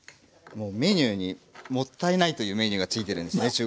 メニューに「もったいない」というメニューがついてるんですね